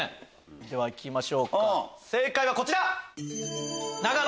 ではいきましょうか正解はこちら！